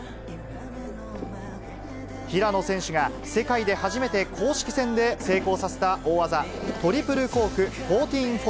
平野選手が世界で初めて公式戦で成功させた大技、トリプルコーク１４４０。